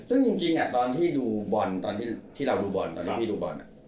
ซึ่งจริงอ่ะตอนที่เราดูบอนตอนนี้พี่ดูบอน